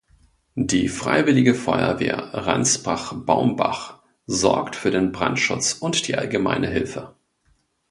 Die Freiwillige Feuerwehr Ransbach-Baumbach sorgt für den Brandschutz und die allgemeine Hilfe.